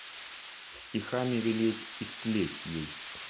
Стихами велеть истлеть ей!